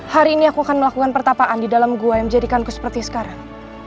hari ini aku akan melakukan pertapaan di dalam gua yang menjadikanku seperti sekarang